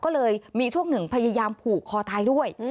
ก็เลยมีช่วงหนึ่งพยายามผูกคอตายด้วย